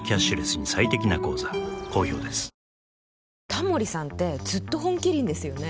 タモリさんってずっと「本麒麟」ですよね。